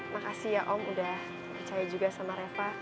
makasih ya om udah percaya juga sama reva